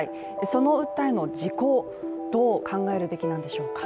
その訴えの時効をどう考えるべきなんでしょうか。